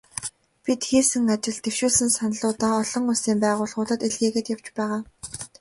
Бид хийсэн ажил, дэвшүүлсэн саналуудаа олон улсын байгууллагуудад илгээгээд явж байгаа.